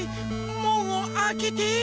もんをあけて！